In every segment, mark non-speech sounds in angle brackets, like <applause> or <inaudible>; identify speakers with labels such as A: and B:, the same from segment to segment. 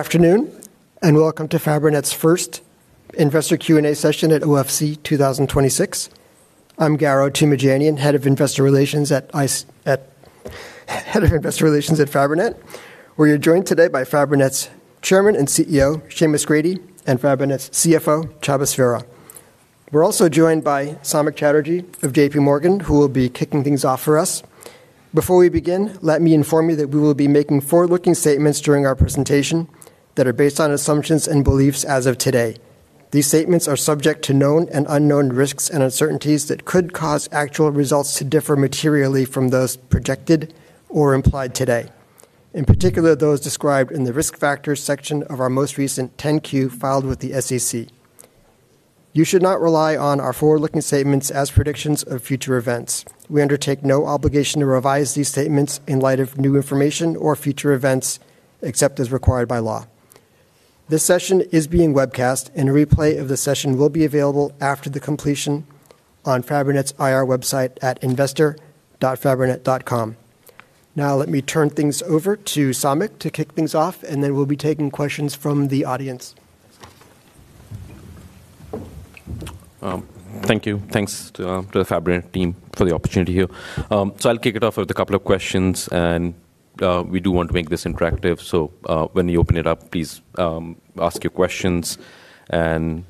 A: Afternoon, welcome to Fabrinet's first investor Q&A session at OFC 2026. I'm Garo Toomajanian, head of investor relations at Fabrinet. We are joined today by Fabrinet's chairman and CEO, Seamus Grady, and Fabrinet's CFO, Csaba Sverha. We're also joined by Samik Chatterjee of JPMorgan, who will be kicking things off for us. Before we begin, let me inform you that we will be making forward-looking statements during our presentation that are based on assumptions and beliefs as of today. These statements are subject to known and unknown risks and uncertainties that could cause actual results to differ materially from those projected or implied today, in particular, those described in the Risk Factors section of our most recent 10-Q filed with the SEC. You should not rely on our forward-looking statements as predictions of future events. We undertake no obligation to revise these statements in light of new information or future events, except as required by law. This session is being webcast and a replay of the session will be available after the completion on Fabrinet's IR website at investor.fabrinet.com. Now let me turn things over to Samik to kick things off, and then we'll be taking questions from the audience.
B: Thank you. Thanks to the Fabrinet team for the opportunity here. I'll kick it off with a couple of questions and we do want to make this interactive. When you open it up, please ask your questions. Seamus,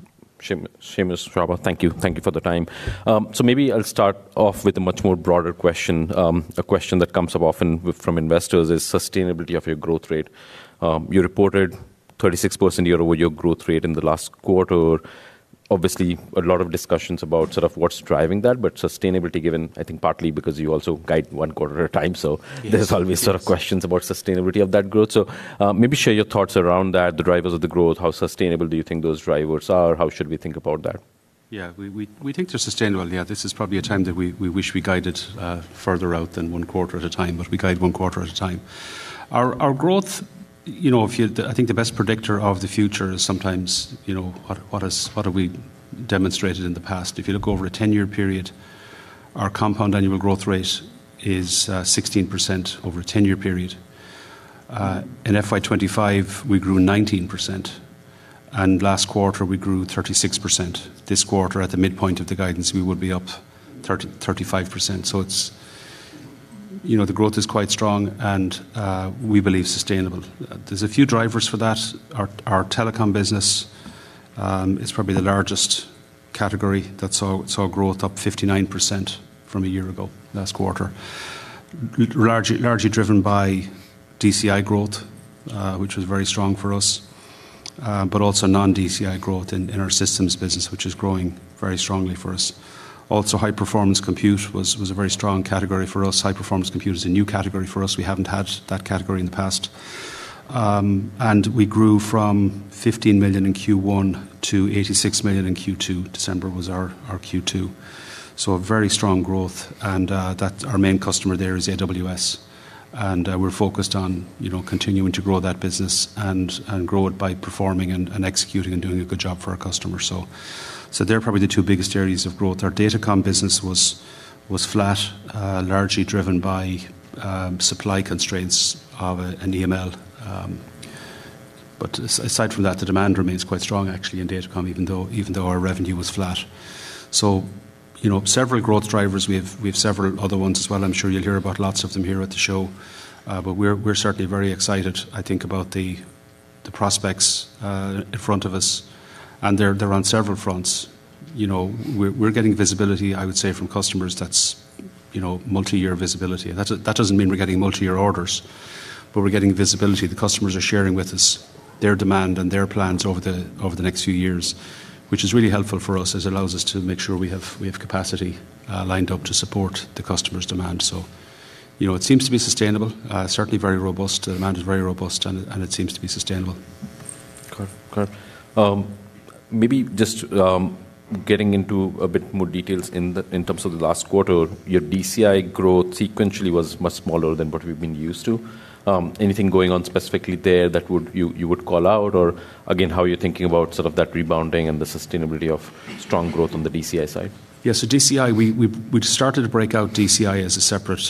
B: Csaba, thank you. Thank you for the time. Maybe I'll start off with a much more broader question. A question that comes up often from investors is sustainability of your growth rate. You reported 36% year-over-year growth rate in the last quarter. Obviously, a lot of discussions about sort of what's driving that, but sustainability given, I think partly because you also guide one quarter at a time.
C: Yes.
B: There's always sort of questions about sustainability of that growth. Maybe share your thoughts around that. The drivers of the growth, how sustainable do you think those drivers are? How should we think about that?
C: Yeah. We think they're sustainable. Yeah. This is probably a time that we wish we guided further out than one quarter at a time, but we guide one quarter at a time. Our growth, you know, if you I think the best predictor of the future is sometimes, you know, what have we demonstrated in the past. If you look over a 10-year period, our compound annual growth rate is 16% over a 10-year period. In FY 2025, we grew 19%, and last quarter we grew 36%. This quarter, at the midpoint of the guidance, we will be up 35%. It's you know, the growth is quite strong and we believe sustainable. There's a few drivers for that. Our telecom business is probably the largest category that saw growth up 59% from a year ago last quarter. Largely driven by DCI growth, which was very strong for us. Also non-DCI growth in our systems business, which is growing very strongly for us. Also, high performance compute was a very strong category for us. High performance compute is a new category for us. We haven't had that category in the past. We grew from $15 million in Q1 to $86 million in Q2. December was our Q2. A very strong growth and that our main customer there is AWS, and we're focused on, you know, continuing to grow that business and grow it by performing and executing and doing a good job for our customers. They're probably the two biggest areas of growth. Our Datacom business was flat, largely driven by supply constraints of an EML. Aside from that, the demand remains quite strong actually in Datacom, even though our revenue was flat. You know, several growth drivers. We have several other ones as well. I'm sure you'll hear about lots of them here at the show. We're certainly very excited, I think, about the prospects in front of us. They're on several fronts. You know, we're getting visibility, I would say, from customers that's multi-year visibility. That doesn't mean we're getting multi-year orders, but we're getting visibility. The customers are sharing with us their demand and their plans over the next few years, which is really helpful for us as it allows us to make sure we have capacity lined up to support the customer's demand. You know, it seems to be sustainable. Certainly very robust. The demand is very robust and it seems to be sustainable.
B: Correct. Maybe just getting into a bit more details in terms of the last quarter. Your DCI growth sequentially was much smaller than what we've been used to. Anything going on specifically there that you would call out? Again, how are you thinking about sort of that rebounding and the sustainability of strong growth on the DCI side?
C: Yeah. DCI, we've started to break out DCI as a separate.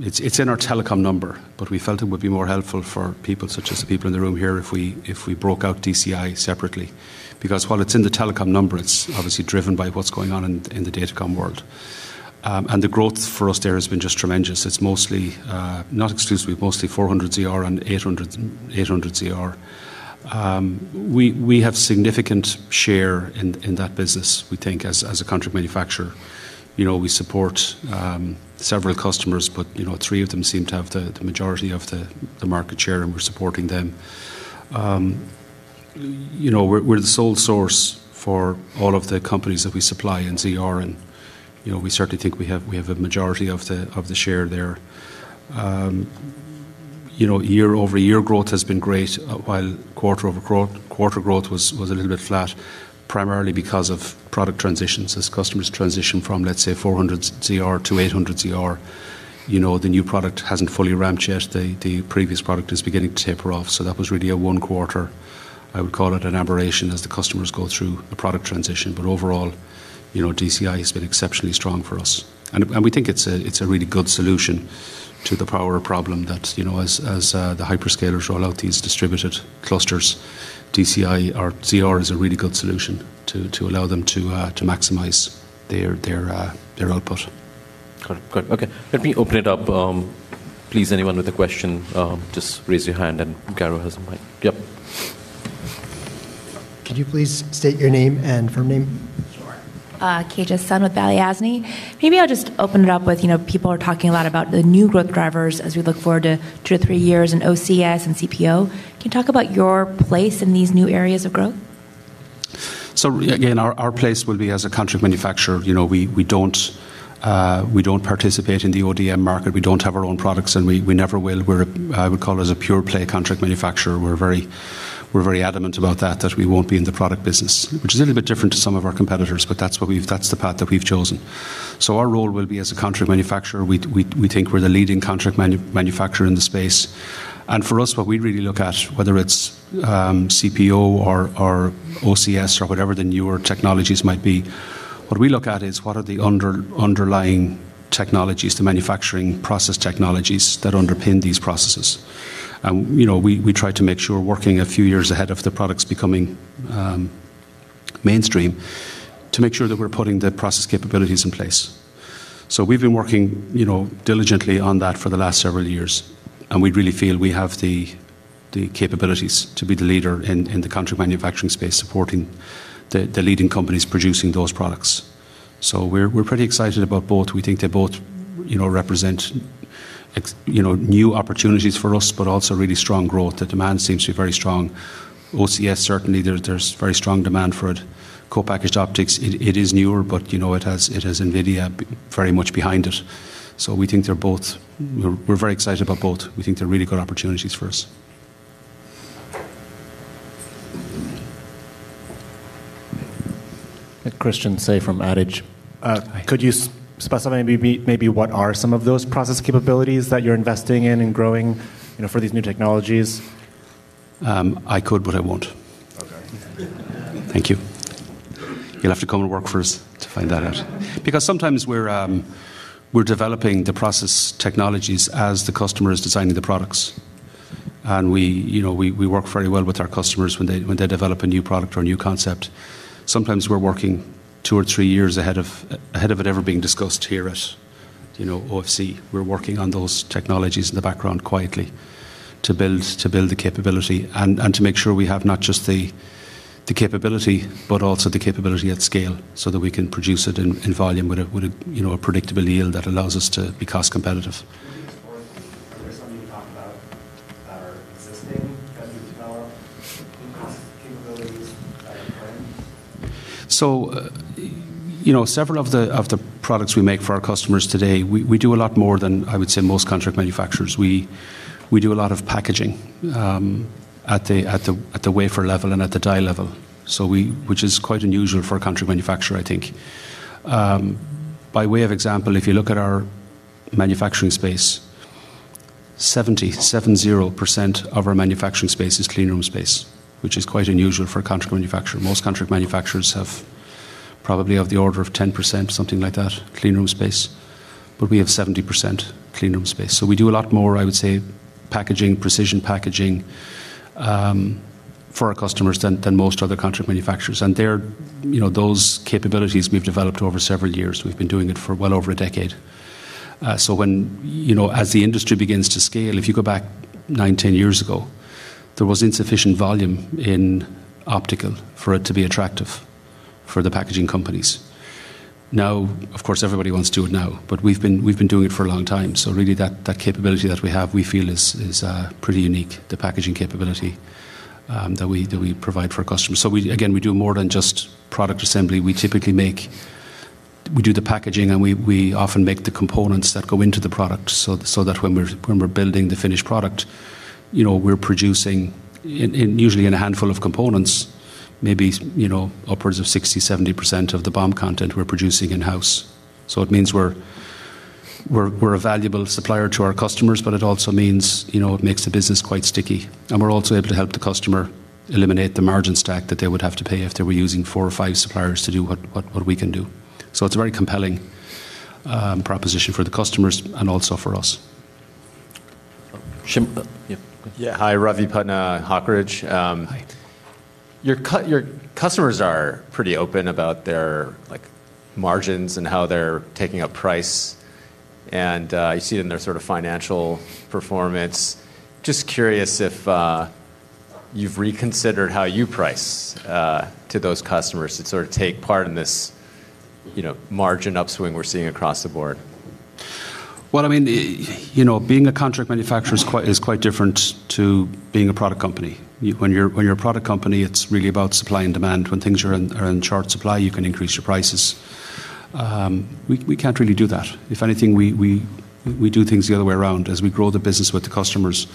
C: It's in our telecom number, but we felt it would be more helpful for people such as the people in the room here, if we broke out DCI separately. Because while it's in the telecom number, it's obviously driven by what's going on in the Datacom world. The growth for us there has been just tremendous. It's mostly, not exclusively, mostly 400ZR and 800ZR. We have significant share in that business, we think, as a contract manufacturer. You know, we support several customers, but you know, three of them seem to have the majority of the market share, and we're supporting them. You know, we're the sole source for all of the companies that we supply in ZR and, you know, we certainly think we have a majority of the share there. You know, year-over-year growth has been great, while quarter-over-quarter growth was a little bit flat, primarily because of product transitions. As customers transition from, let's say, 400ZR to 800ZR, you know, the new product hasn't fully ramped yet. The previous product is beginning to taper off, so that was really a one quarter. I would call it an aberration as the customers go through a product transition. Overall, you know, DCI has been exceptionally strong for us. We think it's a really good solution to the power problem that, you know, as the hyperscalers roll out these distributed clusters, DCI or ZR is a really good solution to allow them to maximize their output.
B: Got it. Good. Okay. Let me open it up, please. Anyone with a question, just raise your hand, and Garo has a mic. Yep.
A: Can you please state your name and firm name?
D: Sure. Kate with Balyasny. Maybe I'll just open it up with, you know, people are talking a lot about the new growth drivers as we look forward to two or three years in OCS and CPO. Can you talk about your place in these new areas of growth?
C: Our place will be as a contract manufacturer. You know, we don't participate in the ODM market. We don't have our own products, and we never will. I would call us a pure play contract manufacturer. We're very adamant about that we won't be in the product business, which is a little bit different to some of our competitors, but that's the path that we've chosen. Our role will be as a contract manufacturer. We think we're the leading contract manufacturer in the space. For us, what we really look at, whether it's CPO or OCS or whatever the newer technologies might be, what we look at is what are the underlying technologies, the manufacturing process technologies that underpin these processes. You know, we try to make sure working a few years ahead of the products becoming mainstream to make sure that we're putting the process capabilities in place. We've been working, you know, diligently on that for the last several years, and we really feel we have the capabilities to be the leader in the contract manufacturing space, supporting the leading companies producing those products. We're pretty excited about both. We think they both, you know, represent new opportunities for us, but also really strong growth. The demand seems to be very strong. OCS, certainly, there's very strong demand for it. Co-packaged optics, it is newer, but, you know, it has NVIDIA very much behind it. So we think they're both. We're very excited about both. We think they're really good opportunities for us.
E: Christian Say from Adage.
C: Hi.
E: Could you specify maybe what are some of those process capabilities that you're investing in and growing, you know, for these new technologies?
C: I could, but I won't.
E: Okay.
C: Thank you. You'll have to come and work for us to find that out. Because sometimes we're developing the process technologies as the customer is designing the products. We, you know, work very well with our customers when they develop a new product or a new concept. Sometimes we're working two or three years ahead of it ever being discussed here at, you know, OFC. We're working on those technologies in the background quietly to build the capability and to make sure we have not just the capability, but also the capability at scale so that we can produce it in volume with a, you know, a predictable yield that allows us to be cost competitive.
E: Are there some you can talk about that are existing that you've developed, increased capabilities that you're planning?
C: You know, several of the products we make for our customers today, we do a lot more than, I would say, most contract manufacturers. We do a lot of packaging at the wafer level and at the die level, which is quite unusual for a contract manufacturer, I think. By way of example, if you look at our manufacturing space, 70% of our manufacturing space is clean room space, which is quite unusual for a contract manufacturer. Most contract manufacturers have probably of the order of 10%, something like that, clean room space. We have 70% clean room space. We do a lot more, I would say, packaging, precision packaging for our customers than most other contract manufacturers. They're, you know, those capabilities we've developed over several years. We've been doing it for well over a decade. When, you know, as the industry begins to scale, if you go back nine, 10 years ago, there was insufficient volume in optical for it to be attractive for the packaging companies. Now, of course, everybody wants to do it now, but we've been doing it for a long time. Really that capability that we have, we feel is pretty unique, the packaging capability that we provide for our customers. We, again, we do more than just product assembly. We do the packaging, and we often make the components that go into the product. that when we're building the finished product, you know, we're producing in usually in a handful of components, maybe, you know, upwards of 60%-70% of the BOM content we're producing in-house. It means we're a valuable supplier to our customers, but it also means, you know, it makes the business quite sticky. We're also able to help the customer eliminate the margin stack that they would have to pay if they were using four or five suppliers to do what we can do. It's a very compelling proposition for the customers and also for us.
F: Hi, Ravi Patna, Hawk Ridge. Your customers are pretty open about their, like, margins and how they're taking a price, and you see it in their sort of financial performance. Just curious if you've reconsidered how you price to those customers to sort of take part in this, you know, margin upswing we're seeing across the board.
C: Well, I mean, you know, being a contract manufacturer is quite different to being a product company. When you're a product company, it's really about supply and demand. When things are in short supply, you can increase your prices. We can't really do that. If anything, we do things the other way around. As we grow the business with the customers,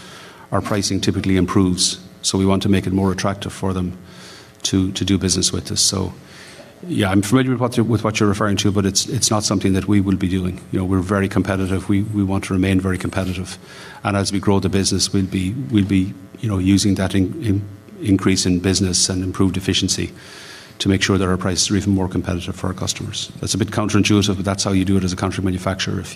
C: our pricing typically improves, so we want to make it more attractive for them to do business with us. Yeah, I'm familiar with what you're referring to, but it's not something that we will be doing. You know, we're very competitive. We want to remain very competitive. As we grow the business, we'll be, you know, using that increase in business and improved efficiency to make sure that our prices are even more competitive for our customers. That's a bit counterintuitive, but that's how you do it as a contract manufacturer. If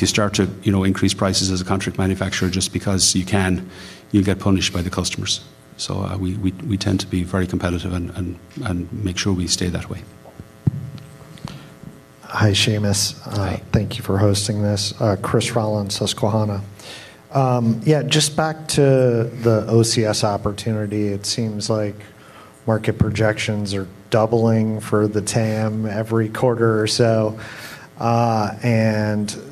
C: you start to, you know, increase prices as a contract manufacturer just because you can, you'll get punished by the customers. We tend to be very competitive and make sure we stay that way.
G: Hi, Seamus. Thank you for hosting this. Chris Rolland, Susquehanna. Yeah, just back to the OCS opportunity. It seems like market projections are doubling for the TAM every quarter or so.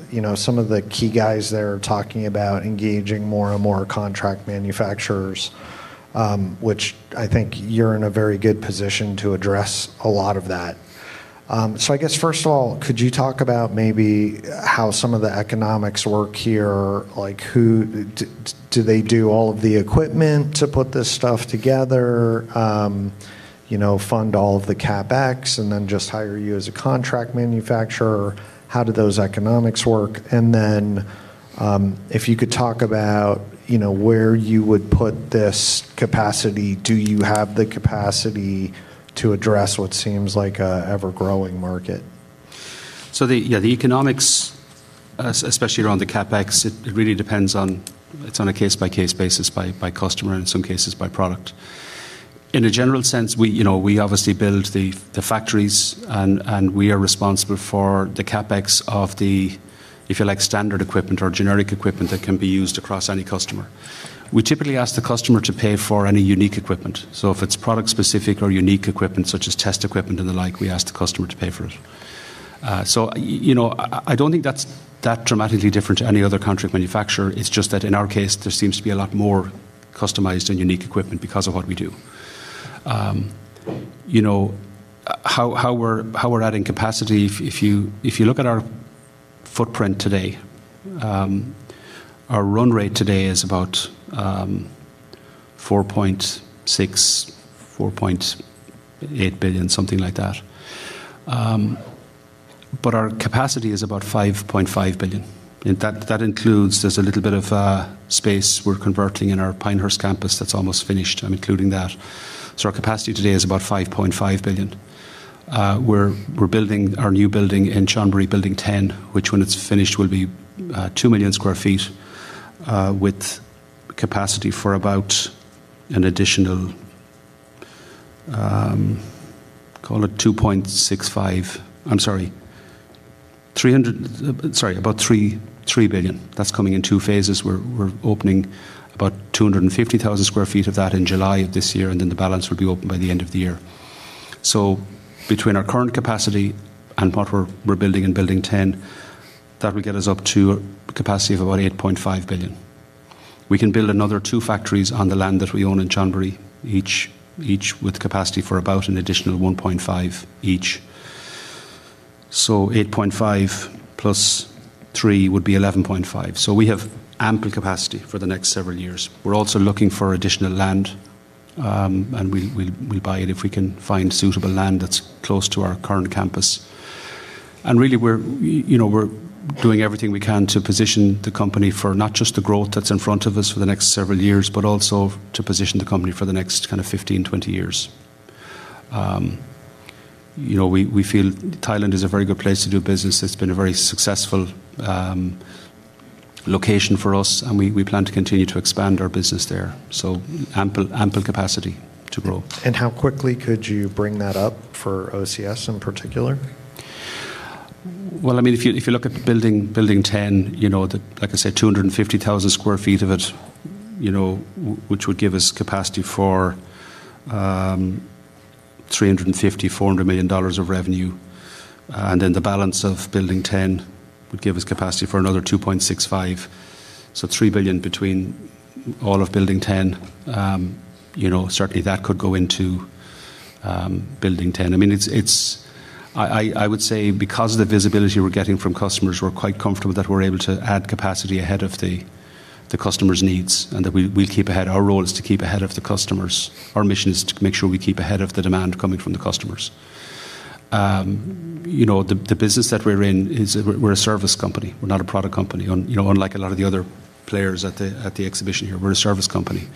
G: You know, some of the key guys there are talking about engaging more and more contract manufacturers, which I think you're in a very good position to address a lot of that. So I guess first of all, could you talk about maybe how some of the economics work here? Like, do they do all of the equipment to put this stuff together? You know, fund all of the CapEx and then just hire you as a contract manufacturer? How do those economics work? Then, if you could talk about, you know, where you would put this capacity. Do you have the capacity to address what seems like an ever-growing market?
C: The economics, especially around the CapEx, it really depends on a case-by-case basis by customer and in some cases by product. In a general sense, you know, we obviously build the factories and we are responsible for the CapEx of the, if you like, standard equipment or generic equipment that can be used across any customer. We typically ask the customer to pay for any unique equipment. If it's product specific or unique equipment, such as test equipment and the like, we ask the customer to pay for it. You know, I don't think that's dramatically different to any other contract manufacturer. It's just that in our case, there seems to be a lot more customized and unique equipment because of what we do. You know, how we're adding capacity. If you look at our footprint today, our run rate today is about $4.6 billion-$4.8 billion, something like that. Our capacity is about $5.5 billion. That includes. There's a little bit of space we're converting in our Pinehurst campus that's almost finished. I'm including that. Our capacity today is about $5.5 billion. We're building our new building in Chonburi, Building 10, which when it's finished, will be 2 million sq ft with capacity for about an additional $3 billion. That's coming in two phases. We're opening about 250,000 sq ft of that in July of this year, and then the balance will be open by the end of the year. Between our current capacity and what we're building in Building 10, that will get us up to a capacity of about $8.5 billion. We can build another two factories on the land that we own in Chonburi, each with capacity for about an additional $1.5 billion each. $8.5 billion + $3 billion would be $11.5 billion. We have ample capacity for the next several years. We're also looking for additional land, and we buy it if we can find suitable land that's close to our current campus. Really, we're, you know, we're doing everything we can to position the company for not just the growth that's in front of us for the next several years, but also to position the company for the next kind of 15, 20 years. You know, we feel Thailand is a very good place to do business. It's been a very successful location for us, and we plan to continue to expand our business there. Ample capacity to grow.
G: How quickly could you bring that up for OCS in particular?
C: Well, I mean, if you look at Building 10, you know, like I said, 250,000 sq ft of it, you know, which would give us capacity for $350 million-$400 million of revenue. The balance of Building 10 would give us capacity for another $2.65 billion. Three billion between all of Building 10. You know, certainly that could go into Building 10. I mean, it's I would say because of the visibility we're getting from customers, we're quite comfortable that we're able to add capacity ahead of the customer's needs, and that we keep ahead. Our role is to keep ahead of the customers. Our mission is to make sure we keep ahead of the demand coming from the customers. You know, the business that we're in is we're a service company. We're not a product company. You know, unlike a lot of the other players at the exhibition here, we're a service company.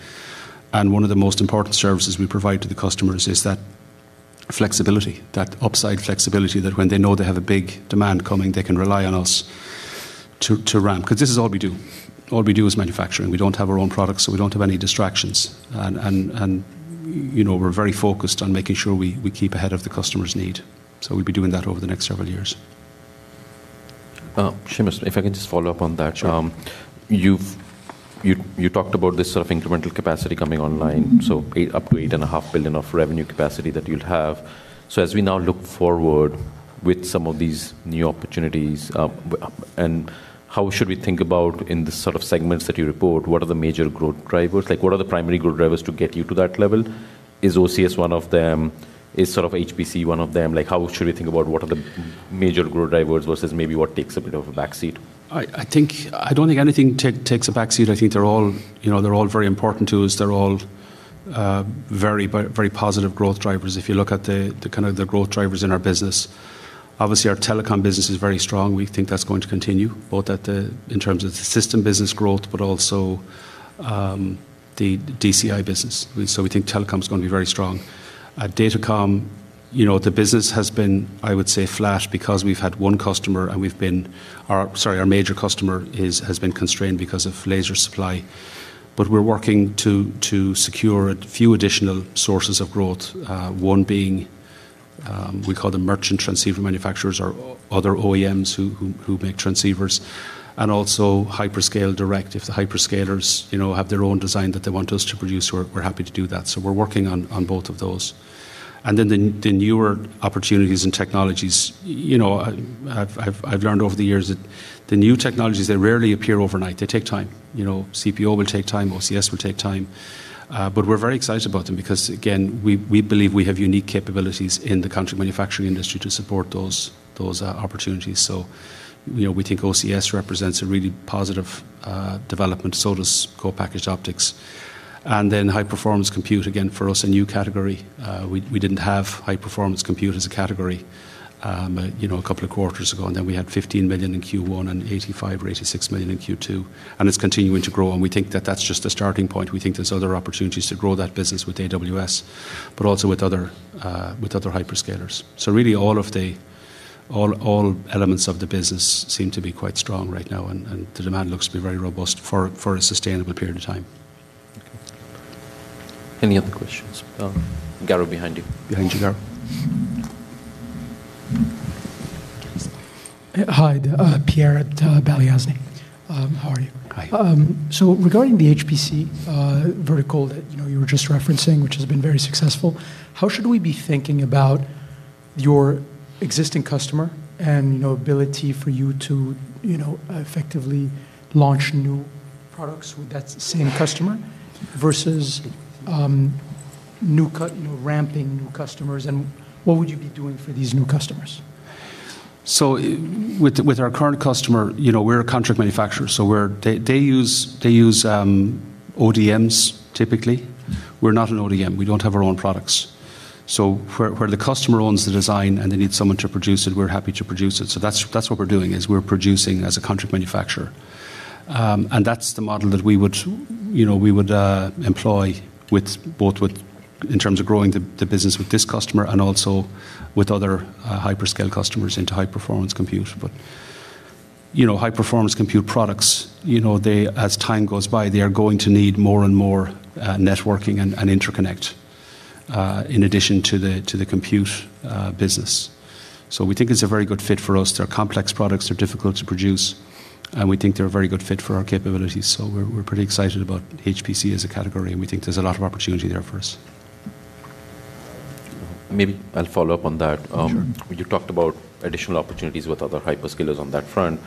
C: One of the most important services we provide to the customers is that flexibility, that upside flexibility that when they know they have a big demand coming, they can rely on us to ramp. 'Cause this is all we do. All we do is manufacturing. We don't have our own products, so we don't have any distractions. You know, we're very focused on making sure we keep ahead of the customer's need. We'll be doing that over the next several years.
B: Seamus, if I can just follow up on that.
C: Sure.
B: You've talked about this sort of incremental capacity coming online. Eight, up to $8.5 billion of revenue capacity that you'll have. As we now look forward with some of these new opportunities, and how should we think about in the sort of segments that you report, what are the major growth drivers? Like, what are the primary growth drivers to get you to that level? Is OCS one of them? Is sort of HPC one of them? Like, how should we think about what are the major growth drivers versus maybe what takes a bit of a back seat?
C: I think I don't think anything takes a back seat. I think they're all, you know, they're all very important to us. They're all very positive growth drivers. If you look at the kind of growth drivers in our business. Obviously, our telecom business is very strong. We think that's going to continue both in terms of the system business growth, but also the DCI business. We think telecom's gonna be very strong. At Datacom, you know, the business has been, I would say, flat because we've had one customer, our major customer has been constrained because of laser supply. We're working to secure a few additional sources of growth, one being we call them merchant transceiver manufacturers or other OEMs who make transceivers and also hyperscale direct. If the hyperscalers, you know, have their own design that they want us to produce, we're happy to do that. We're working on both of those. The newer opportunities and technologies, you know, I've learned over the years that the new technologies, they rarely appear overnight. They take time. You know, CPO will take time, OCS will take time. But we're very excited about them because, again, we believe we have unique capabilities in the contract manufacturing industry to support those opportunities. You know, we think OCS represents a really positive development, so does Co-packaged Optics. High-performance compute, again, for us, a new category. We didn't have high-performance computing as a category, you know, a couple of quarters ago, and then we had $15 million in Q1 and $85 million or $86 million in Q2, and it's continuing to grow. We think that that's just a starting point. We think there's other opportunities to grow that business with AWS, but also with other hyperscalers. Really, all elements of the business seem to be quite strong right now and the demand looks to be very robust for a sustainable period of time.
B: Okay. Any other questions? Garo behind you.
C: Behind you, Garo.
H: Hi, Pierre at Balyasny. How are you?
C: Hi.
H: Regarding the HPC vertical that, you know, you were just referencing, which has been very successful, how should we be thinking about your existing customer and, you know, ability for you to, you know, effectively launch new products with that same customer versus, new you know, ramping new customers? What would you be doing for these new customers?
C: With our current customer, we're a contract manufacturer. They use ODMs typically. We're not an ODM. We don't have our own products. Where the customer owns the design and they need someone to produce it, we're happy to produce it. That's what we're doing, is we're producing as a contract manufacturer. And that's the model that we would employ with both, in terms of growing the business with this customer and also with other hyperscale customers into high-performance compute. High-performance compute products, they, as time goes by, are going to need more and more networking and interconnect in addition to the compute business. We think it's a very good fit for us. They're complex products, they're difficult to produce, and we think they're a very good fit for our capabilities. We're pretty excited about HPC as a category, and we think there's a lot of opportunity there for us.
B: Maybe I'll follow up on that.
C: Sure.
B: You talked about additional opportunities with other hyperscalers on that front,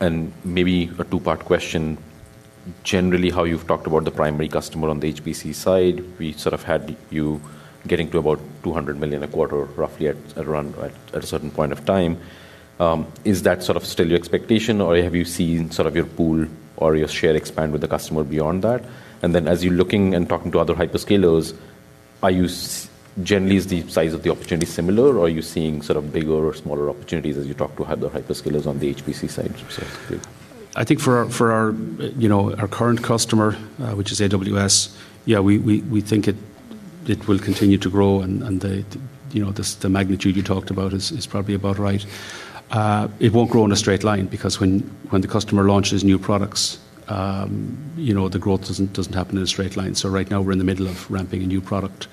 B: and maybe a two-part question. Generally, how you've talked about the primary customer on the HPC side, we sort of had you getting to about $200 million a quarter roughly around a certain point of time. Is that sort of still your expectation, or have you seen sort of your pool or your share expand with the customer beyond that? As you're looking and talking to other hyperscalers, generally, is the size of the opportunity similar, or are you seeing sort of bigger or smaller opportunities as you talk to the hyperscalers on the HPC side specifically?
C: I think for our you know our current customer which is AWS we think it will continue to grow and the you know the magnitude you talked about is probably about right. It won't grow in a straight line because when the customer launches new products you know the growth doesn't happen in a straight line. Right now we're in the middle of ramping a new product.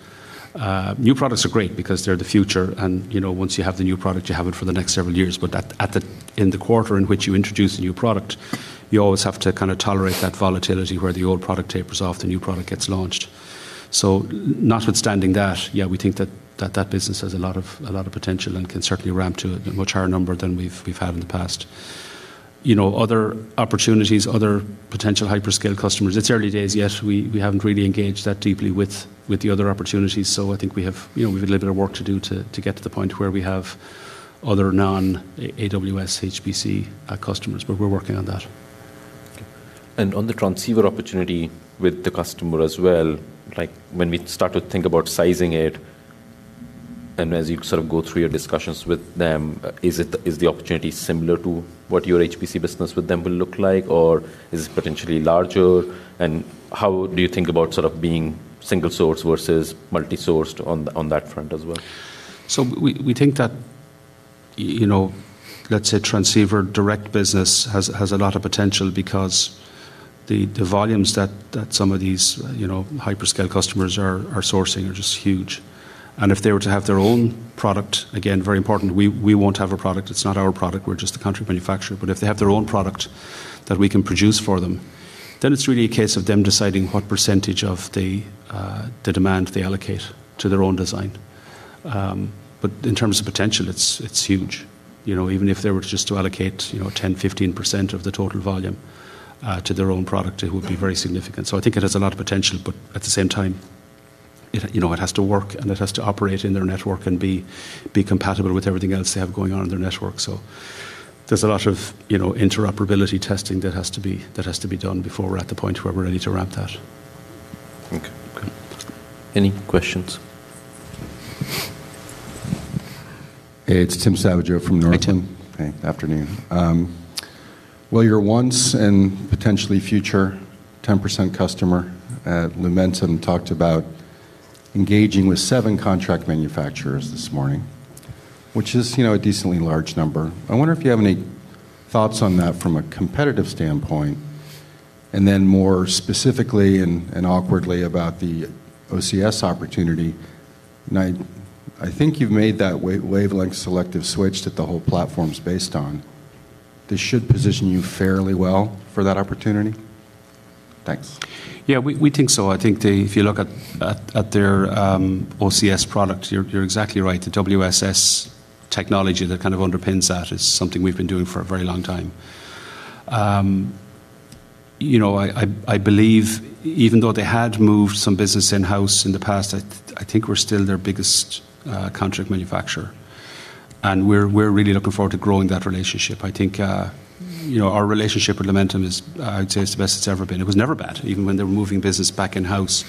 C: New products are great because they're the future and you know once you have the new product you have it for the next several years. But in the quarter in which you introduce a new product you always have to kind of tolerate that volatility where the old product tapers off the new product gets launched. Notwithstanding that, yeah, we think that that business has a lot of potential and can certainly ramp to a much higher number than we've had in the past. You know, other opportunities, potential hyperscale customers, it's early days yet. We haven't really engaged that deeply with the other opportunities, so I think we have, you know, we have a little bit of work to do to get to the point where we have other non-AWS HPC customers, but we're working on that.
B: Okay. On the transceiver opportunity with the customer as well, like, when we start to think about sizing it, and as you sort of go through your discussions with them, is the opportunity similar to what your HPC business with them will look like, or is it potentially larger? How do you think about sort of being single source versus multi-sourced on that front as well?
C: We think that, you know, let's say transceiver direct business has a lot of potential because the volumes that some of these, you know, hyperscale customers are sourcing are just huge. If they were to have their own product, again, very important, we won't have a product. It's not our product. We're just a contract manufacturer. If they have their own product that we can produce for them, it's really a case of them deciding what percentage of the demand they allocate to their own design. In terms of potential, it's huge. You know, even if they were just to allocate, you know, 10%, 15% of the total volume to their own product, it would be very significant. I think it has a lot of potential, but at the same time, it, you know, it has to work and it has to operate in their network and be compatible with everything else they have going on in their network. There's a lot of, you know, interoperability testing that has to be done before we're at the point where we're ready to ramp that.
B: Okay. Any questions?
I: It's Tim Savageaux here from Northland.
C: Hi, Tim.
I: Hey, afternoon. Well, your once and potentially future 10% customer at Lumentum talked about engaging with seven contract manufacturers this morning, which is, you know, a decently large number. I wonder if you have any thoughts on that from a competitive standpoint. Then more specifically and awkwardly about the OCS opportunity, and I think you've made that wavelength-selective switch that the whole platform's based on. This should position you fairly well for that opportunity. Thanks.
C: Yeah, we think so. I think if you look at their OCS product, you're exactly right. The WSS technology that kind of underpins that is something we've been doing for a very long time. You know, I believe even though they had moved some business in-house in the past, I think we're still their biggest contract manufacturer, and we're really looking forward to growing that relationship. I think, you know, our relationship with Lumentum is, I'd say it's the best it's ever been. It was never bad, even when they were moving business back in-house,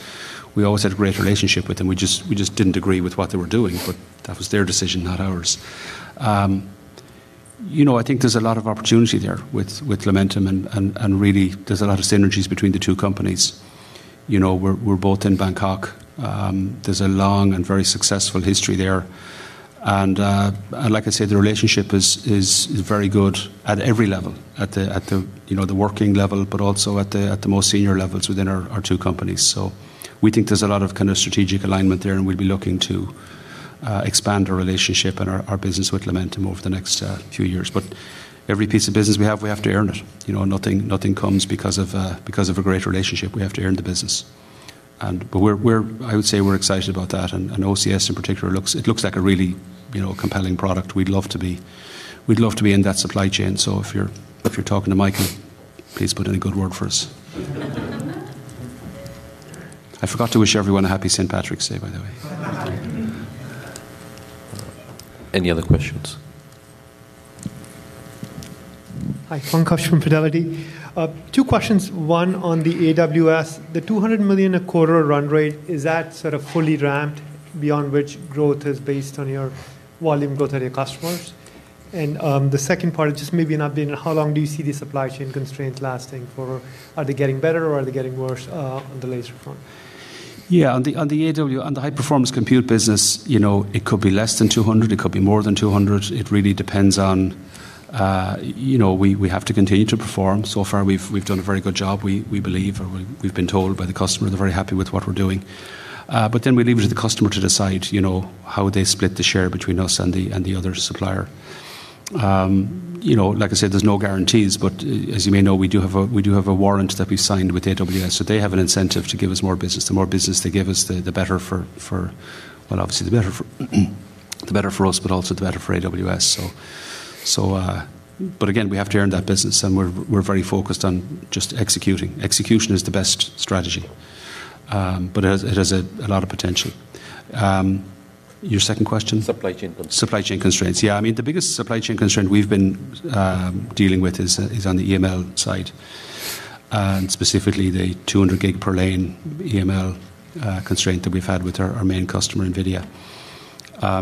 C: we always had a great relationship with them. We just didn't agree with what they were doing, but that was their decision, not ours. You know, I think there's a lot of opportunity there with Lumentum and really there's a lot of synergies between the two companies. You know, we're both in Bangkok. There's a long and very successful history there. Like I say, the relationship is very good at every level, you know, at the working level, but also at the most senior levels within our two companies. We think there's a lot of kind of strategic alignment there, and we'll be looking to expand our relationship and our business with Lumentum over the next few years. Every piece of business we have, we have to earn it. You know, nothing comes because of a great relationship. We have to earn the business. We're excited about that. I would say we're excited about that. OCS in particular looks like a really, you know, compelling product. We'd love to be in that supply chain. If you're talking to Michael, please put in a good word for us. I forgot to wish everyone a happy St. Patrick's Day, by the way.
B: Any other questions?
J: Hi. Pankaj from Fidelity. Two questions. One on the AWS. The $200 million a quarter run rate, is that sort of fully ramped beyond which growth is based on your volume growth and your customers? The second part is just maybe an update on how long do you see the supply chain constraints lasting for? Are they getting better or are they getting worse, on the laser front?
C: Yeah. On the AWS high-performance compute business, you know, it could be less than $200 million, it could be more than $200 million. It really depends on, you know, we have to continue to perform. So far we've done a very good job, we believe or we've been told by the customer they're very happy with what we're doing. We leave it to the customer to decide, you know, how they split the share between us and the other supplier. You know, like I said, there's no guarantees, but as you may know, we do have a warrant that we signed with AWS, so they have an incentive to give us more business. The more business they give us, the better. Well, obviously, the better for us, but also the better for AWS. But again, we have to earn that business, and we're very focused on just executing. Execution is the best strategy. Your second question?
J: Supply chain constraints.
C: Supply chain constraints. Yeah, I mean, the biggest supply chain constraint we've been dealing with is on the EML side, and specifically the 200 Gb per lane EML constraint that we've had with our main customer, NVIDIA.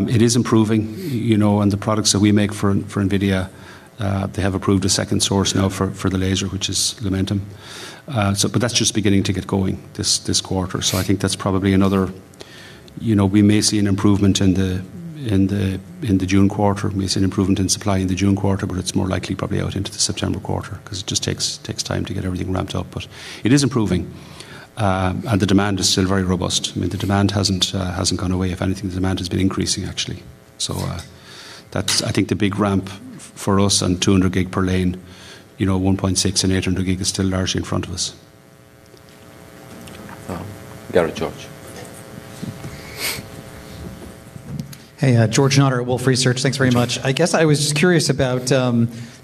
C: It is improving, you know, and the products that we make for NVIDIA, they have approved a second source now for the laser, which is Lumentum. That's just beginning to get going this quarter. I think that's probably another. You know, we may see an improvement in supply in the June quarter, but it's more likely probably out into the September quarter 'cause it just takes time to get everything ramped up. It is improving, and the demand is still very robust. I mean, the demand hasn't gone away. If anything, the demand has been increasing, actually. That's I think the big ramp for us on 200 Gb per lane. You know, 1.6 Tb and 800 Gb is still largely in front of us. <inaudible>
K: Hey, George Notter at Wolfe Research. Thanks very much. I guess I was just curious about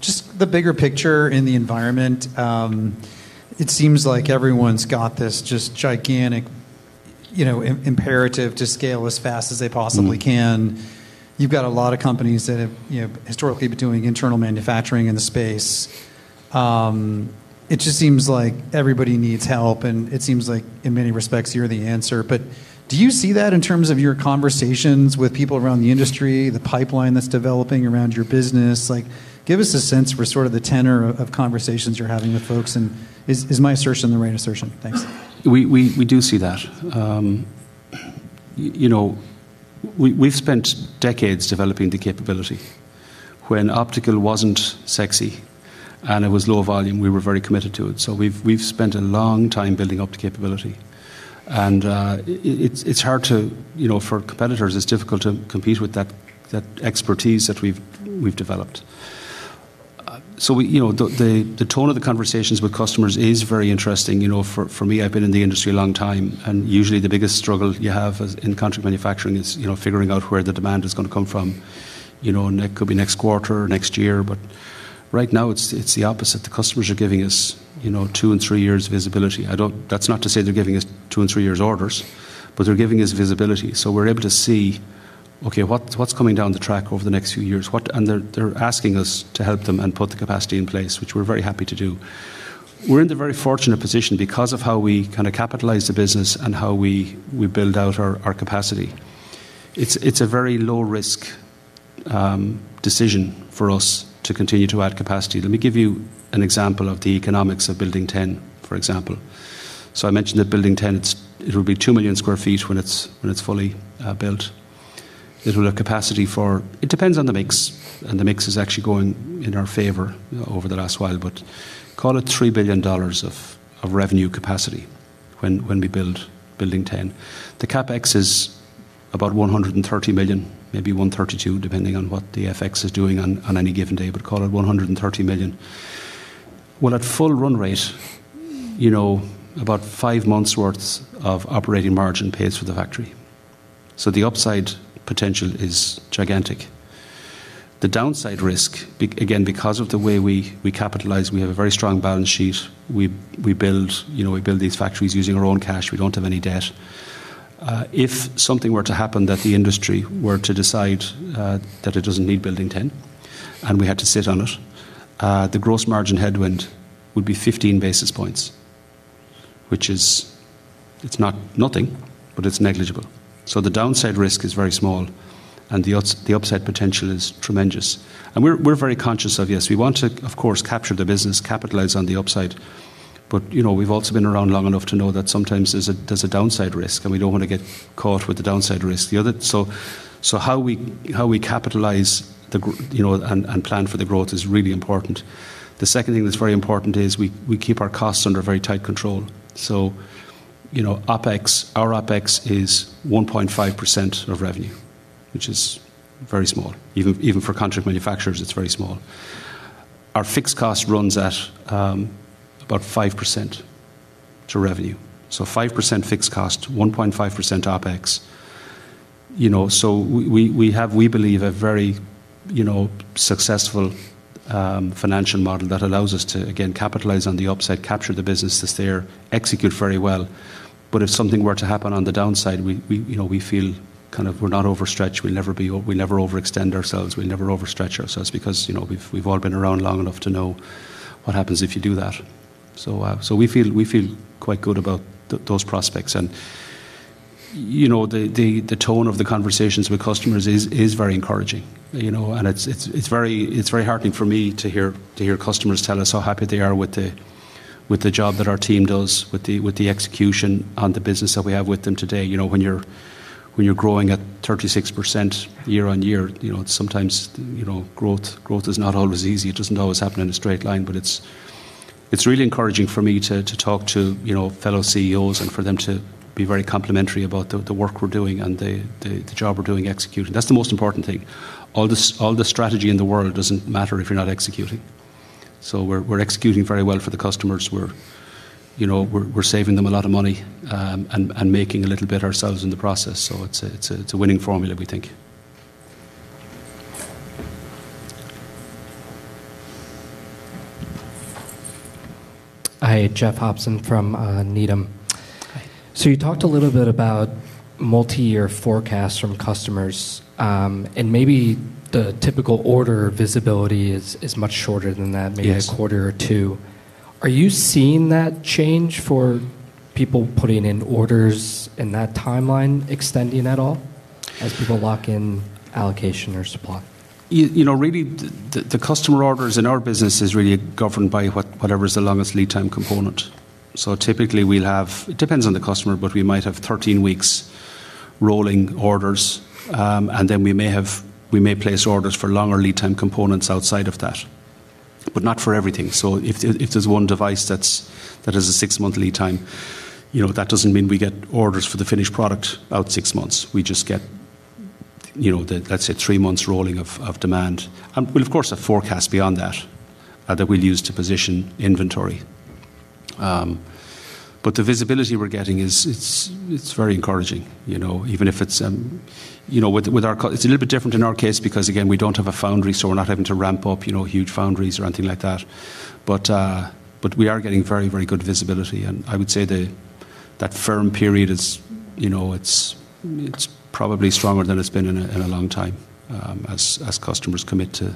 K: just the bigger picture in the environment. It seems like everyone's got this just gigantic, you know, imperative to scale as fast as they possibly can. You've got a lot of companies that have, you know, historically been doing internal manufacturing in the space. It just seems like everybody needs help, and it seems like in many respects you're the answer. Do you see that in terms of your conversations with people around the industry, the pipeline that's developing around your business? Like, give us a sense for sort of the tenor of conversations you're having with folks, and is my assertion the right assertion? Thanks.
C: We do see that. You know, we've spent decades developing the capability. When optical wasn't sexy and it was low volume, we were very committed to it. We've spent a long time building up the capability. It's hard to, you know, for competitors, it's difficult to compete with that expertise that we've developed. You know, the tone of the conversations with customers is very interesting. You know, for me, I've been in the industry a long time, and usually the biggest struggle you have in contract manufacturing is, you know, figuring out where the demand is gonna come from. You know, that could be next quarter or next year, but right now it's the opposite. The customers are giving us, you know, two and three years visibility. I don't. That's not to say they're giving us two and three years orders, but they're giving us visibility. We're able to see. Okay, what's coming down the track over the next few years? What? They're asking us to help them and put the capacity in place, which we're very happy to do. We're in the very fortunate position because of how we kinda capitalize the business and how we build out our capacity. It's a very low risk decision for us to continue to add capacity. Let me give you an example of the economics of Building 10, for example. I mentioned that Building 10, it'll be 2 million sq ft when it's fully built. It'll have capacity for It depends on the mix, and the mix is actually going in our favor over the last while, but call it $3 billion of revenue capacity when we build Building 10. The CapEx is about $130 million, maybe $132 million, depending on what the FX is doing on any given day, but call it $130 million. Well, at full run rate, you know, about five months worth of operating margin pays for the factory. The upside potential is gigantic. The downside risk, again, because of the way we capitalize, we have a very strong balance sheet. We build, you know, we build these factories using our own cash. We don't have any debt. If something were to happen that the industry were to decide that it doesn't need Building 10, and we had to sit on it, the gross margin headwind would be 15 basis points, which is. It's not nothing, but it's negligible. The downside risk is very small, and the upside potential is tremendous. We're very conscious of, yes, we want to, of course, capture the business, capitalize on the upside, but, you know, we've also been around long enough to know that sometimes there's a downside risk, and we don't wanna get caught with the downside risk. How we capitalize, you know, and plan for the growth is really important. The second thing that's very important is we keep our costs under very tight control. You know, OpEx, our OpEx is 1.5% of revenue, which is very small. Even for contract manufacturers, it's very small. Our fixed cost runs at about 5% of revenue. 5% fixed cost, 1.5% OpEx. You know, we have, we believe, a very you know successful financial model that allows us to again capitalize on the upside, capture the business that's there, execute very well. If something were to happen on the downside, you know, we feel kind of we're not overstretched. We'll never overextend ourselves. We'll never overstretch ourselves because you know we've all been around long enough to know what happens if you do that. We feel quite good about those prospects. You know, the tone of the conversations with customers is very encouraging, you know? It's very heartening for me to hear customers tell us how happy they are with the job that our team does, with the execution on the business that we have with them today. You know, when you're growing at 36% year-on-year, you know, sometimes, you know, growth is not always easy. It doesn't always happen in a straight line, but it's really encouraging for me to talk to, you know, fellow CEOs and for them to be very complimentary about the work we're doing and the job we're doing executing. That's the most important thing. All the strategy in the world doesn't matter if you're not executing. We're executing very well for the customers. We're, you know, we're saving them a lot of money, and making a little bit ourselves in the process. It's a winning formula, we think.
L: Hi, Jeff Hopson from Needham.
C: Hi.
L: You talked a little bit about multi-year forecasts from customers, and maybe the typical order visibility is much shorter than that.
C: Yes.
L: Maybe a quarter or two. Are you seeing that change for people putting in orders in that timeline extending at all as people lock in allocation or supply?
C: You know, really the customer orders in our business is really governed by whatever is the longest lead time component. Typically we'll have. It depends on the customer, but we might have 13 weeks rolling orders, and then we may place orders for longer lead time components outside of that, but not for everything. If there's one device that has a six-month lead time, you know, that doesn't mean we get orders for the finished product out six months. We just get, you know, the, let's say three months rolling of demand and we'll, of course, have forecast beyond that we'll use to position inventory. The visibility we're getting is very encouraging, you know, even if it's. It's a little bit different in our case because, again, we don't have a foundry, so we're not having to ramp up, you know, huge foundries or anything like that. We are getting very good visibility, and I would say that firm period is, you know, it's probably stronger than it's been in a long time, as customers commit to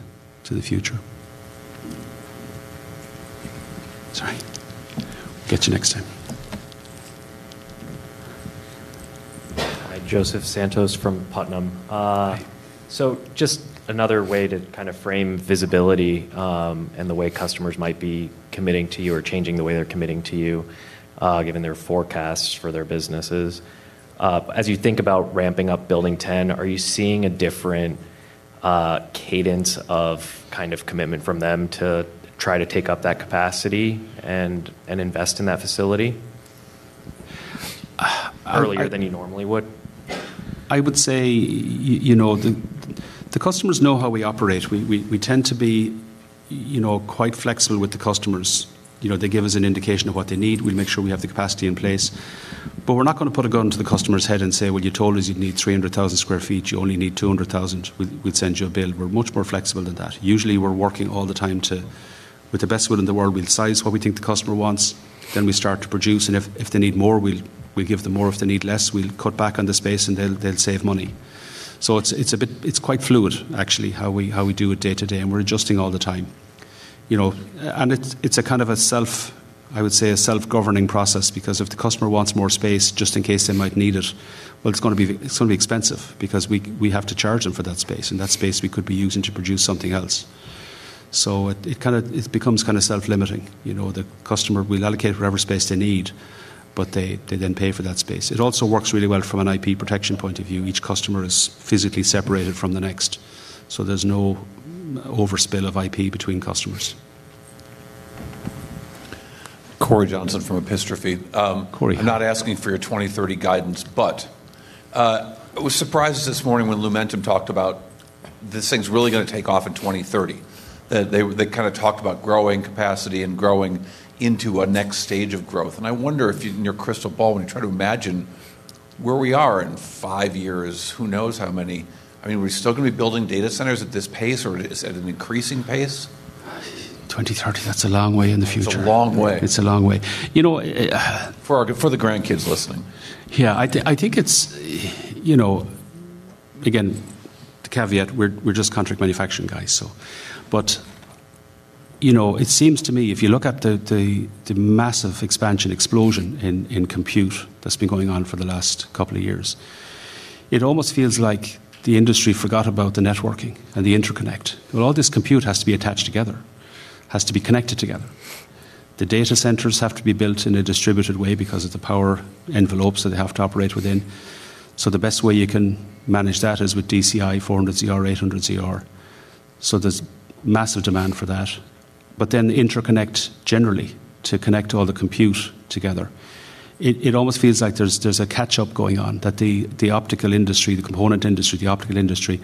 C: the future. Sorry. Get to you next time.
M: Hi, Joseph Santos from Putnam.
C: Hi.
M: Just another way to kinda frame visibility, and the way customers might be committing to you or changing the way they're committing to you, given their forecasts for their businesses. As you think about ramping up Building 10, are you seeing a different cadence of kind of commitment from them to try to take up that capacity and invest in that facility?
C: Uh, I-
M: Earlier than you normally would.
C: I would say, you know, the customers know how we operate. We tend to be, you know, quite flexible with the customers. You know, they give us an indication of what they need. We make sure we have the capacity in place. We're not gonna put a gun to the customer's head and say, "Well, you told us you'd need 300,000 sq ft. You only need 200,000 sq ft. We, we'll send you a bill." We're much more flexible than that. Usually, we're working all the time. With the best will in the world, we'll size what we think the customer wants, then we start to produce, and if they need more, we'll give them more. If they need less, we'll cut back on the space, and they'll save money. It's a bit. It's quite fluid actually, how we do it day to day, and we're adjusting all the time. You know, it's a kind of a self, I would say, a self-governing process because if the customer wants more space just in case they might need it, well, it's gonna be expensive because we have to charge them for that space, and that space we could be using to produce something else. It kind of becomes kind of self-limiting. You know, the customer, we'll allocate whatever space they need, but they then pay for that space. It also works really well from an IP protection point of view. Each customer is physically separated from the next, so there's no overspill of IP between customers.
N: Cory Johnson from Epistrophy.
C: Cory, how are you?
N: I'm not asking for your 2030 guidance, but it was surprising this morning when Lumentum talked about this thing's really gonna take off in 2030. They kind of talked about growing capacity and growing into a next stage of growth. I wonder if in your crystal ball, when you try to imagine where we are in five years, I mean, are we still gonna be building data centers at this pace, or is it at an increasing pace?
C: 2030, that's a long way in the future.
N: It's a long way.
C: It's a long way. You know...
N: For the grandkids listening.
C: I think it's, you know, again, the caveat, we're just contract manufacturing guys, so. You know, it seems to me, if you look at the massive expansion explosion in compute that's been going on for the last couple of years, it almost feels like the industry forgot about the networking and the interconnect. Well, all this compute has to be attached together, has to be connected together. The data centers have to be built in a distributed way because of the power envelopes that they have to operate within. The best way you can manage that is with DCI, 400ZR, 800ZR. There's massive demand for that. Then interconnect generally to connect all the compute together. It almost feels like there's a catch-up going on, that the optical industry, the component industry, the optical industry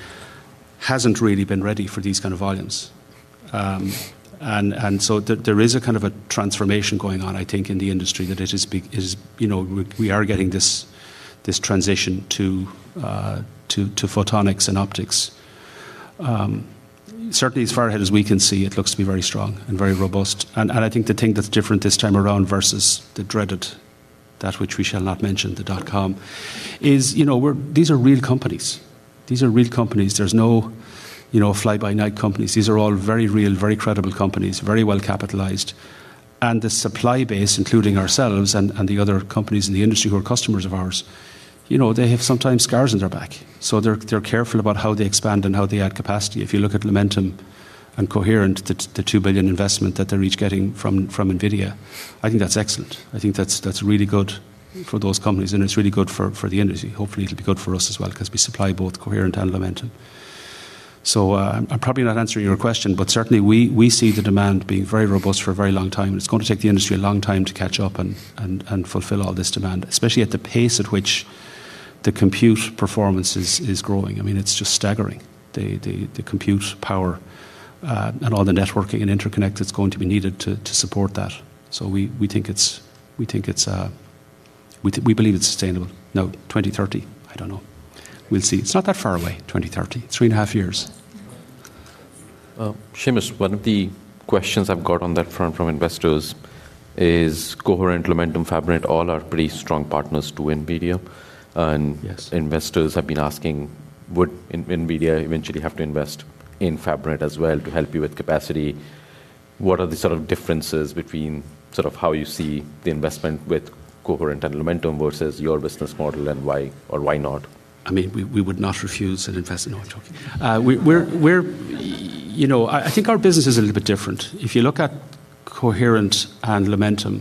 C: hasn't really been ready for these kind of volumes. There is a kind of a transformation going on, I think, in the industry that it is, you know, we are getting this transition to photonics and optics. Certainly as far ahead as we can see, it looks to be very strong and very robust. I think the thing that's different this time around versus the dreaded that which we shall not mention, the dot-com, is, you know, these are real companies. These are real companies. There's no, you know, fly-by-night companies. These are all very real, very credible companies, very well-capitalized. The supply base, including ourselves and the other companies in the industry who are customers of ours, you know, they have sometimes scars on their back. So they're careful about how they expand and how they add capacity. If you look at Lumentum and Coherent, the $2 billion investment that they're each getting from NVIDIA, I think that's excellent. I think that's really good for those companies, and it's really good for the industry. Hopefully, it'll be good for us as well because we supply both Coherent and Lumentum. I'm probably not answering your question, but certainly we see the demand being very robust for a very long time, and it's going to take the industry a long time to catch up and fulfill all this demand, especially at the pace at which the compute performance is growing. I mean, it's just staggering, the compute power, and all the networking and interconnect that's going to be needed to support that. We believe it's sustainable. Now, 2030, I don't know. We'll see. It's not that far away, 2030, three and a half years.
B: Well, Seamus, one of the questions I've got on that front from investors is Coherent, Lumentum, Fabrinet all are pretty strong partners to NVIDIA.
C: Yes.
B: Investors have been asking, would NVIDIA eventually have to invest in Fabrinet as well to help you with capacity? What are the sort of differences between sort of how you see the investment with Coherent and Lumentum versus your business model, and why or why not?
C: I mean, we would not refuse an investment. No, I'm joking. We're, you know, I think our business is a little bit different. If you look at Coherent and Lumentum,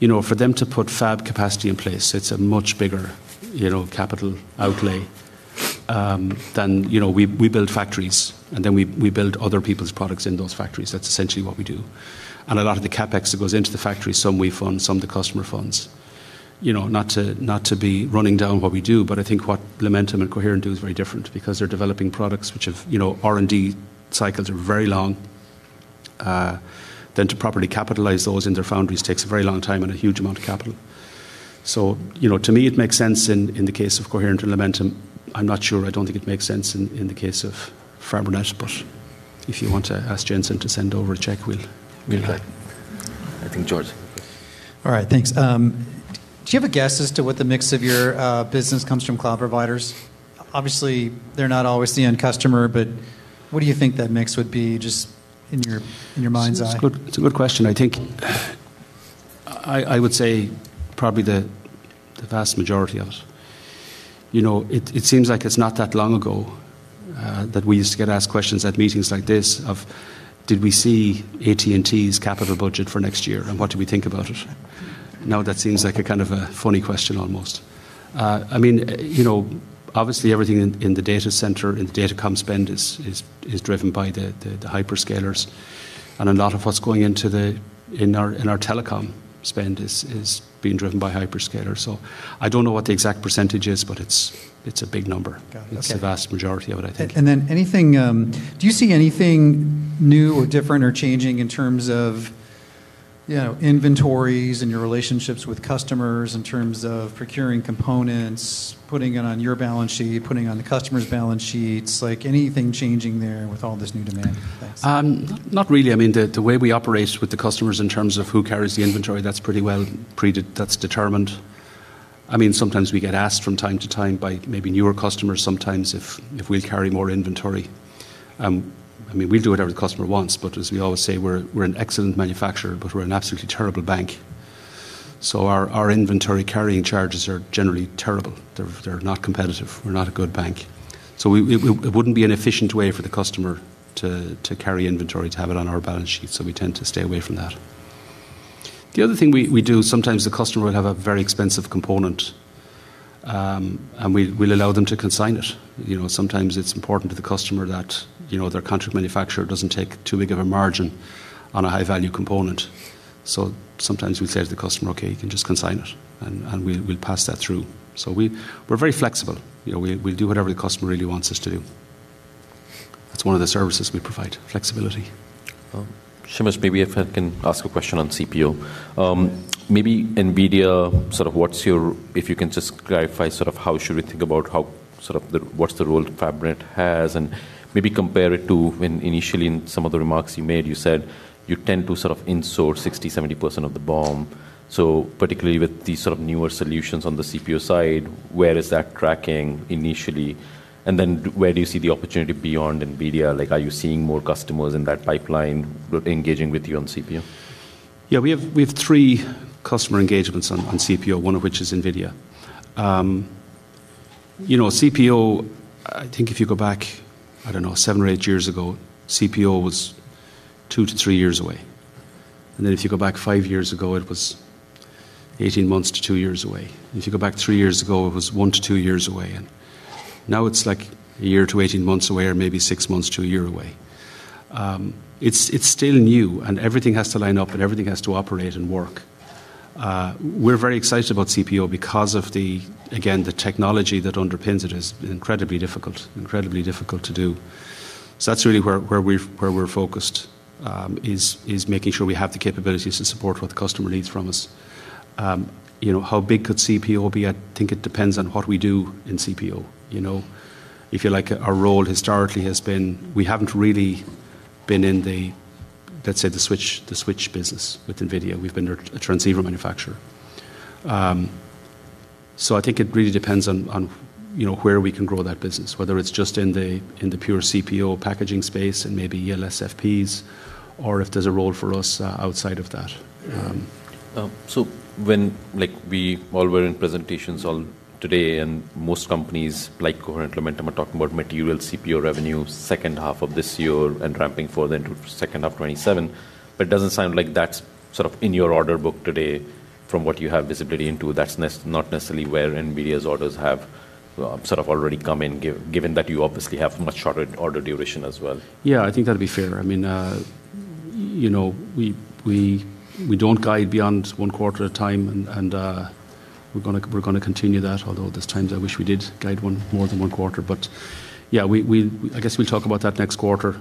C: you know, for them to put fab capacity in place, it's a much bigger, you know, capital outlay than, you know. We build factories, and then we build other people's products in those factories. That's essentially what we do. A lot of the CapEx that goes into the factory, some we fund, some the customer funds. You know, not to be running down what we do, but I think what Lumentum and Coherent do is very different because they're developing products which have, you know, R&D cycles are very long. Then to properly capitalize those in their foundries takes a very long time and a huge amount of capital. You know, to me, it makes sense in the case of Coherent and Lumentum. I'm not sure, I don't think it makes sense in the case of Fabrinet, but if you want to ask Jensen to send over a check, we'll take it.
B: I think George.
K: All right, thanks. Do you have a guess as to what the mix of your business comes from cloud providers? Obviously, they're not always the end customer, but what do you think that mix would be just in your mind's eye?
C: It's a good question. I think I would say probably the vast majority of it. You know, it seems like it's not that long ago that we used to get asked questions at meetings like this of did we see AT&T's capital budget for next year, and what do we think about it? Now that seems like a kind of a funny question almost. I mean, you know, obviously everything in the data center, in the Datacom spend is driven by the hyperscalers. A lot of what's going into our telecom spend is being driven by hyperscalers. I don't know what the exact percentage is, but it's a big number.
K: Got it. Okay.
C: It's the vast majority of it, I think.
K: Anything, do you see anything new or different or changing in terms of, you know, inventories and your relationships with customers in terms of procuring components, putting it on your balance sheet, putting it on the customer's balance sheets? Like anything changing there with all this new demand? Thanks.
C: Not really. I mean, the way we operate with the customers in terms of who carries the inventory, that's pretty well determined. I mean, sometimes we get asked from time to time by maybe newer customers if we'll carry more inventory. I mean, we do whatever the customer wants, but as we always say, we're an excellent manufacturer, but we're an absolutely terrible bank. Our inventory carrying charges are generally terrible. They're not competitive. We're not a good bank. It wouldn't be an efficient way for the customer to carry inventory, to have it on our balance sheet. We tend to stay away from that. The other thing we do, sometimes the customer will have a very expensive component, and we'll allow them to consign it. You know, sometimes it's important to the customer that, you know, their contract manufacturer doesn't take too big of a margin on a high-value component. Sometimes we say to the customer, "Okay, you can just consign it," and we'll pass that through. We're very flexible. You know, we'll do whatever the customer really wants us to do. That's one of the services we provide, flexibility.
B: Well, Seamus, maybe if I can ask a question on CPO. If you can just clarify sort of how we should think about what's the role Fabrinet has and maybe compare it to when initially in some of the remarks you made, you said you tend to sort of in-source 60%-70% of the BOM. Particularly with these sort of newer solutions on the CPO side, where is that tracking initially? And then where do you see the opportunity beyond NVIDIA? Like, are you seeing more customers in that pipeline engaging with you on CPO?
C: Yeah. We have three customer engagements on CPO, one of which is NVIDIA. You know, CPO, I think if you go back, I don't know, seven or eight years ago, CPO was two to three years away. If you go back five years ago, it was 18 months to two years if you go back three years ago, it was one to two years away. now it's like a year to 18 months away or maybe six months to a year away. It's still new and everything has to line up, and everything has to operate and work. We're very excited about CPO because again, the technology that underpins it is incredibly difficult to do. That's really where we're focused is making sure we have the capabilities to support what the customer needs from us. You know, how big could CPO be? I think it depends on what we do in CPO, you know. If you like, our role historically has been we haven't really been in the, let's say, the switch business with NVIDIA. We've been their transceiver manufacturer. I think it really depends on, you know, where we can grow that business, whether it's just in the pure CPO packaging space and maybe LPOs or if there's a role for us outside of that.
B: When like we all were in presentations all today and most companies like Coherent and Lumentum are talking about material CPO revenue second half of this year and ramping for then to second half 2027. It doesn't sound like that's sort of in your order book today from what you have visibility into. That's not necessarily where NVIDIA's orders have sort of already come in given that you obviously have much shorter order duration as well.
C: Yeah, I think that'd be fair. I mean, you know, we don't guide beyond one quarter at a time and we're gonna continue that, although there's times I wish we did guide more than one quarter. Yeah, I guess we'll talk about that next quarter.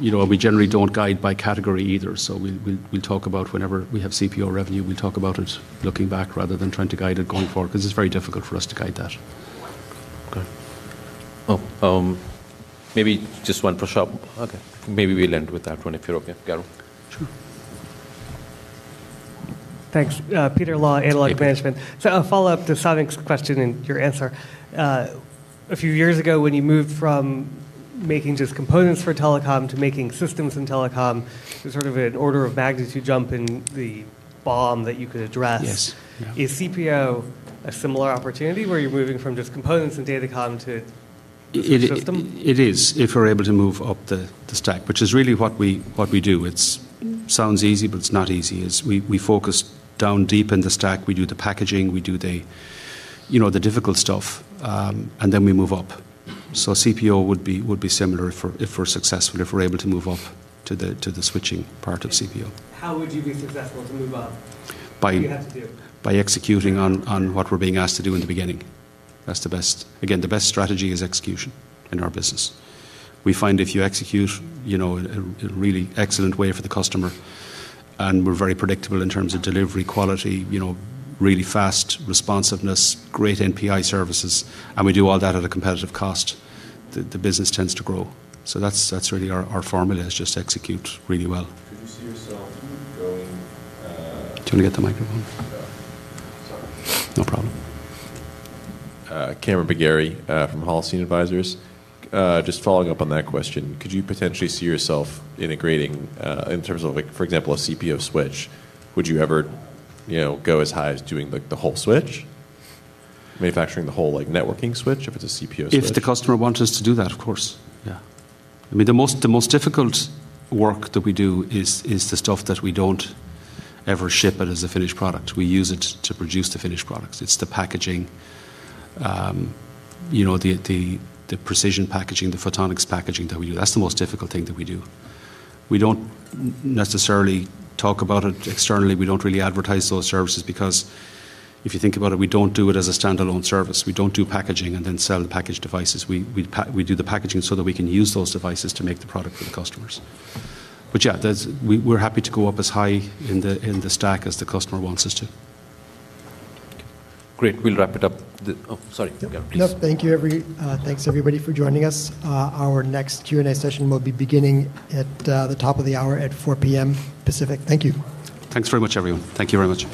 C: You know, we generally don't guide by category either. We talk about whenever we have CPO revenue, we talk about it looking back rather than trying to guide it going forward, because it's very difficult for us to guide that. Go ahead.
B: Oh, maybe just one for sharp. Okay. Maybe we'll end with that one if you're okay. Garo.
C: Sure.
O: Thanks. Peter Law, Analog Management. A follow-up to Samik's question and your answer. A few years ago, when you moved from making just components for telecom to making systems in telecom, there's sort of an order of magnitude jump in the BOM that you could address.
C: Yes. Yeah.
O: Is CPO a similar opportunity where you're moving from just components and Datacom to system?
C: It is if we're able to move up the stack, which is really what we do. It sounds easy, but it's not easy. We focus down deep in the stack. We do the packaging, you know, the difficult stuff, and then we move up. CPO would be similar if we're successful, if we're able to move up to the switching part of CPO.
O: How would you be successful to move up?
C: By-
O: What do you have to do?
C: By executing on what we're being asked to do in the beginning. That's the best. Again, the best strategy is execution in our business. We find if you execute, you know, in a really excellent way for the customer, and we're very predictable in terms of delivery quality, you know, really fast responsiveness, great NPI services, and we do all that at a competitive cost, the business tends to grow. That's really our formula is just execute really well.
P: Could you see yourself going?
C: Do you wanna get the microphone?
P: Yeah. Sorry.
C: No problem.
P: Camron Bagheri from Holocene Advisors. Just following up on that question, could you potentially see yourself integrating in terms of like, for example, a CPO switch? Would you ever, you know, go as high as doing like the whole switch? Manufacturing the whole like networking switch if it's a CPO switch?
C: If the customer wants us to do that, of course. Yeah. I mean, the most difficult work that we do is the stuff that we don't ever ship it as a finished product. We use it to produce the finished products. It's the packaging, you know, the precision packaging, the photonics packaging that we do. That's the most difficult thing that we do. We don't necessarily talk about it externally. We don't really advertise those services because if you think about it, we don't do it as a standalone service. We don't do packaging and then sell the packaged devices. We do the packaging so that we can use those devices to make the product for the customers. Yeah, we're happy to go up as high in the stack as the customer wants us to.
B: Great. We'll wrap it up. Oh, sorry. Garo, please.
A: No, thank you. Thanks everybody for joining us. Our next Q&A session will be beginning at the top of the hour at 4:00 P.M. Pacific. Thank you.
C: Thanks very much, everyone. Thank you very much.